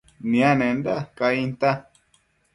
nianenda cainta